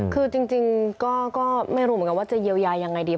คือจริงก็ไม่รู้เหมือนกันว่าจะเยียวยายังไงดี